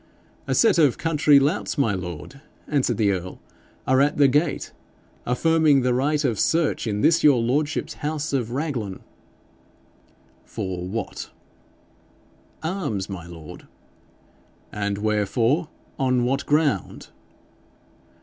'A set of country louts, my lord,' answered the earl, 'are at the gate, affirming the right of search in this your lordship's house of Raglan.' 'For what?' 'Arms, my lord.' 'And wherefore? On what ground?'